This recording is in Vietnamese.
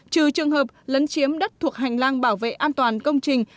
trừ trường hợp lấn chiếm đất thuộc hành lang bảo vệ an toàn công trình